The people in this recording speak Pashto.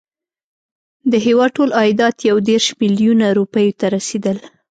د هیواد ټول عایدات یو دېرش میلیونه روپیو ته رسېدل.